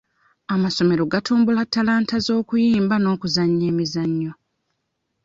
Amasomero gatumbula talanta z'okuyimba n'okuzannya emizannyo.